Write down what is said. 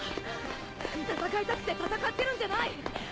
戦いたくて戦ってるんじゃない！